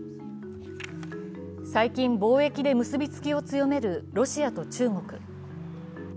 最近、貿易で結びつきを強めるロシアと中国。